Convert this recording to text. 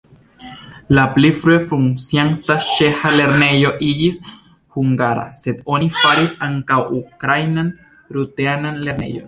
La pli frue funkcianta ĉeĥa lernejo iĝis hungara, sed oni faris ankaŭ ukrainan-rutenan lernejon.